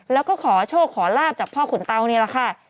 แล้วก็ขอโชคขอลาบจากพ่อขุนเตานี่แหละค่ะ